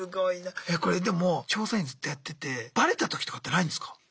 いやこれでも調査員ずっとやっててバレたときとかってないんですか？